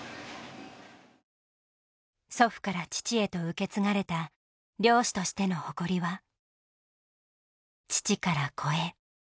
祖父から父へと受け継がれた漁師としての誇りは父から子へ。